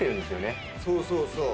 そうそうそう。